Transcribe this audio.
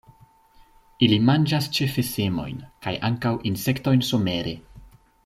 Ili manĝas ĉefe semojn, kaj ankaŭ insektojn somere.